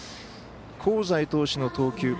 香西投手の投球